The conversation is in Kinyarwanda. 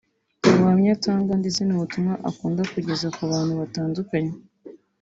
ubuhamya atanga ndetse n’ubutumwa akunda kugeza ku bantu batandukanye